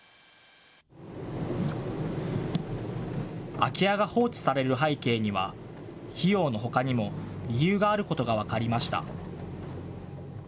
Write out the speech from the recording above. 空き家が放置される背景には、費用のほかにも理由があることが分かりました。